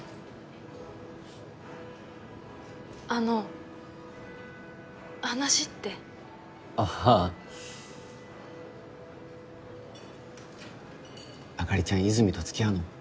あの話ってあああかりちゃん和泉と付き合うの？